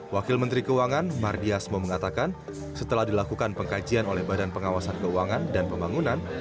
wakil menteri keuangan mardiasmo mengatakan setelah dilakukan pengkajian oleh badan pengawasan keuangan dan pembangunan